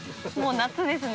夏ですね。